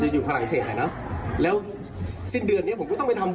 มีผลต่อวิชาชีพของผม